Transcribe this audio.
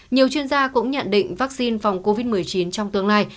nhiều chuyên gia cũng nhận định vaccine phòng covid một mươi chín trong tương lai